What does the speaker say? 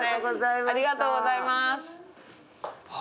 ありがとうございます。